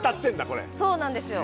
これそうなんですよ